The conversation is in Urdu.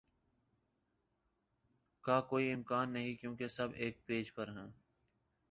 کا کوئی امکان نہیں کیونکہ سب ایک پیج پر ہیں